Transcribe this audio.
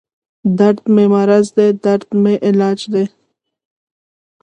دردمې مرض دی دردمې علاج دی